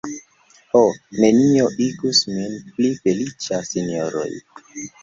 Ho; nenio igus min pli feliĉa, sinjoroj.